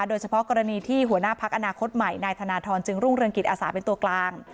โดยเฉพาะกรณีที่หัวหน้าพักอนาคตใหม่นายธนทรจึงรุ่งเรืองกิจอาสาเป็นตัวกลาง